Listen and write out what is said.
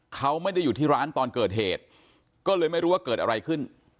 เขาไม่ได้อยู่ที่ร้านตอนเกิดเหตุก็เลยไม่รู้ว่าเกิดอะไรขึ้น